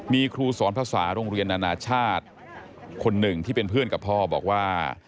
มีครูสอนภาษาโรงเรียนนานาชาติคนหนึ่งที่เป็นเพื่อนกับพ่อบอกว่า